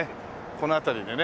この辺りでね